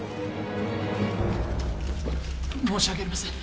申し訳ありません。